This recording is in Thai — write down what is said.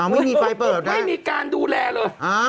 ไม่มีไฟเปิดเลยไม่มีการดูแลเลย